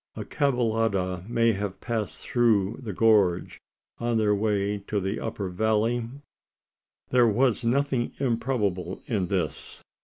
A caballada may have passed through the gorge, on their way to the upper valley? There was nothing improbable in this.